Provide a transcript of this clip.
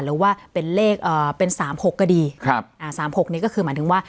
หรือว่าเป็นเลขอ่าเป็นสามหกก็ดีครับอ่าสามหกเนี้ยก็คือหมายถึงว่า